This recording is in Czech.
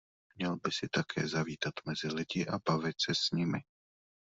Měl by jsi také zavítat mezi lidi a bavit se s nimi.